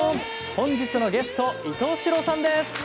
本日のゲスト伊東四朗さんです！